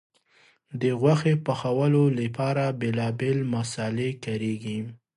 د غوښې پخولو لپاره بیلابیل مسالې کارېږي.